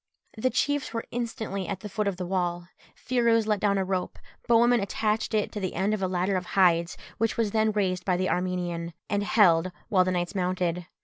The chiefs were instantly at the foot of the wall: Phirouz let down a rope; Bohemund attached it to the end of a ladder of hides, which was then raised by the Armenian, and held while the knights mounted.